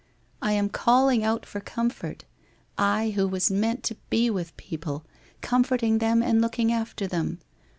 I am calling out for comfort, I who was meant to be with people, comforting them and looking after them!